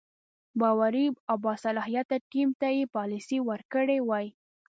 باوري او باصلاحیته ټیم ته یې پالیسي ورکړې وای.